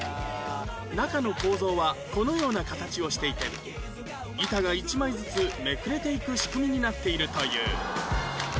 中の構造はこのような形をしていて板が１枚ずつめくれていく仕組みになっているという